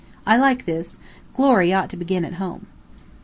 I like this; glory ought to begin at home.